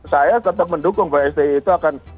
saya tetap mendukung bahwa sti itu akan